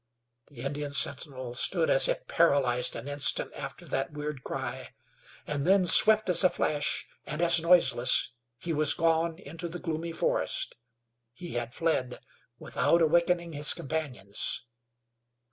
The Indian sentinel stood as if paralyzed an instant after that weird cry, and then, swift as a flash, and as noiseless, he was gone into the gloomy forest. He had fled without awakening his companions.